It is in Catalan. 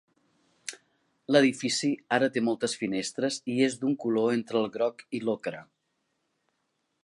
L'edifici ara té moltes finestres i és d'un color entre el groc i l'ocre.